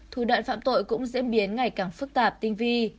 thủ đoạn phạm tội cũng diễn biến ngày càng phức tạp tinh vi